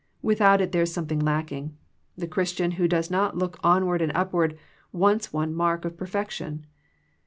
Without it there is something lacking. The Christian who does not look onward and upward wants one mark of perfection.